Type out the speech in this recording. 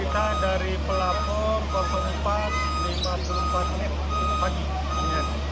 kita tadi terima berita